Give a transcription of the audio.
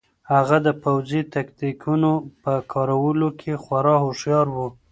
هغه د پوځي تکتیکونو په کارولو کې خورا هوښیار و.